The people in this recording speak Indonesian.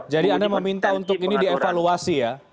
jadi anda meminta untuk ini dievaluasi ya